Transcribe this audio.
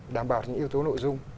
đảm bảo những yếu tố nội dung